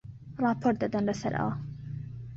ڕاپۆرت دەدەن لەسەر ئەوە